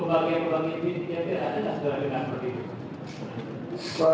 jadi hampir semua pasang ikan